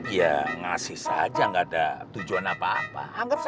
ya ngasih saja nggak ada tujuan apa apa